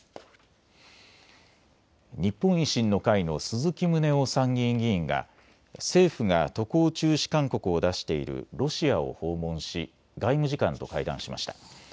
日本維新の会の鈴木宗男参議院議員が政府が渡航中止勧告を出しているロシアを訪問し外務次官と会談しました。